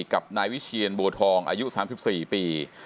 กับนายวิเชียนบัวทองอายุ๓๔ปี